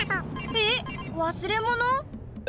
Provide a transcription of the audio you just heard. えっわすれもの？